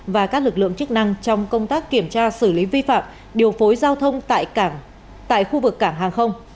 và các lực lượng chức năng trong công tác kiểm tra xử lý vi phạm điều phối giao thông tại khu vực cảng hàng không